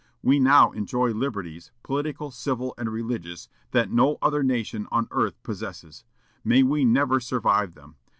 We now enjoy liberties, political, civil, and religious, that no other nation on earth possesses. May we never survive them!